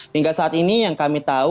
hingga saat ini yang kami tahu